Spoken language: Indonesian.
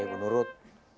iya gue nurut